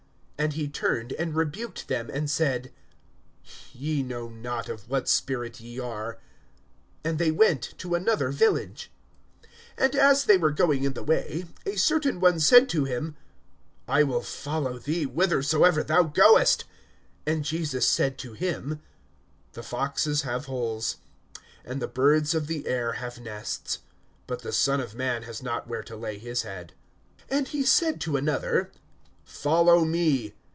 (55)And he turned, and rebuked them, and said: Ye know not[9:55] of what spirit ye are. (56)And they went to another village. (57)And as they were going in the way, a certain one said to him: I will follow thee whithersoever thou goest. (58)And Jesus said to him: The foxes have holes, and the birds of the air have nests; but the Son of man has not where to lay his head. (59)And he said to another: Follow me.